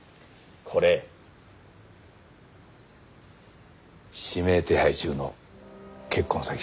これ指名手配中の結婚詐欺師。